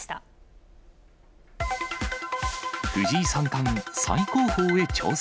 藤井三冠、最高峰へ挑戦。